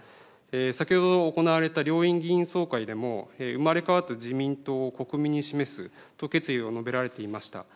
先ほど行われた両院議員総会でも、生まれ変わった自民党を国民に示すと決意を述べられていました。